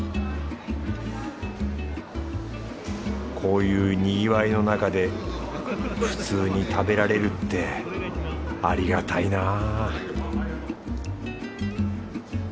こういうにぎわいのなかで普通に食べられるってありがたいなぁ